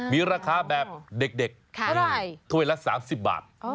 มีราคาแบบเด็กถ้วยละ๓๐บาท